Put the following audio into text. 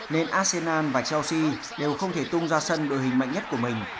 nên arsenal và chelsea đều không thể tung ra sân đội hình mạnh nhất của mình